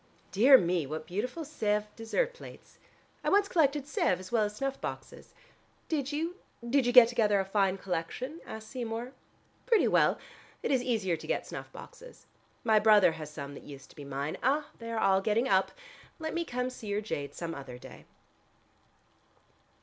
Dear me, what beautiful Sèvres dessert plates. I once collected Sèvres as well as snuff boxes." "Did you did you get together a fine collection?" asked Seymour. "Pretty well. It is easier to get snuff boxes. My brother has some that used to be mine. Ah, they are all getting up. Let me come to see your jade some other day."